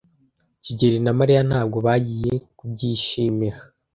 kigeli na Mariya ntabwo bagiye kubyishimira.